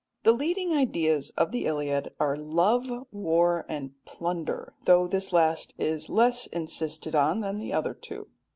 The leading ideas of the Iliad are love, war, and plunder, though this last is less insisted on than the other two.